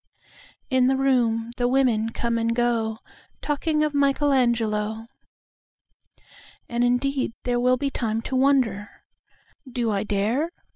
In the room the women come and goTalking of Michelangelo.And indeed there will be timeTo wonder, "Do I dare?"